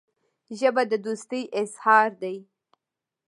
ژبه د دوستۍ اظهار ده